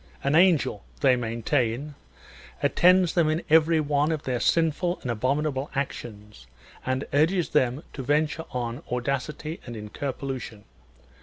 An angel, they maintain, attends them in every one of their sinful and abominable actions, and urges them to venture on audacity and incur pollution.